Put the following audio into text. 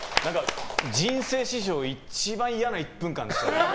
人生史上一番嫌な１分間でした。